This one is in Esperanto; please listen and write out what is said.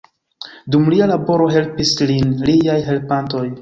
Dum lia laboro helpis lin liaj helpantoj.